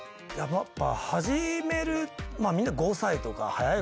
やっぱ。